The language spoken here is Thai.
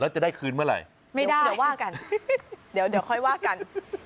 แล้วจะได้คืนเมื่อไหร่ไม่ได้เดี๋ยวค่อยว่ากัน